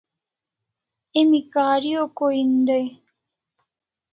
Emi kahari o ko hin dai?